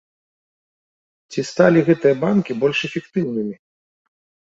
Ці сталі гэтыя банкі больш эфектыўнымі?